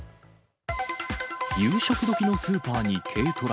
夕食時のスーパーに軽トラ。